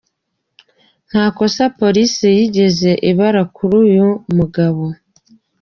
Nta kosa polisi yigeze ibara kuri uyu mugabo.